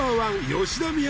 吉田美和